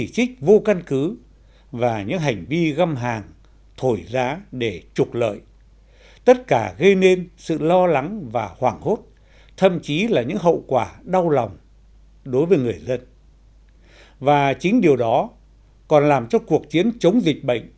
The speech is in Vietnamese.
xin chào và hẹn gặp lại